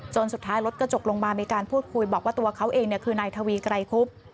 สุดท้ายรถกระจกลงมามีการพูดคุยบอกว่าตัวเขาเองคือนายทวีไกรคุบ